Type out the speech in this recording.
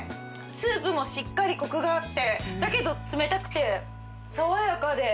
スープもしっかりコクがあってだけど冷たくて爽やかで。